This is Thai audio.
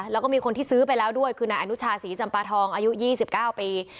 แล้วก็มีคนที่ซื้อไปแล้วด้วยคือนายอนุชาศรีจำปาทองอายุ๒๙ปี